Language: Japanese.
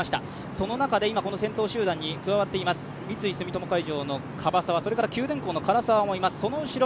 その中でこの先頭集団に加わっています、三井住友海上の樺沢、それから九電工の唐沢もいます。